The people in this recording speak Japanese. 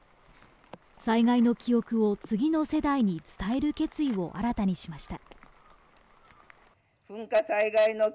災害の記憶を次の世代に伝える決意を新たにしました。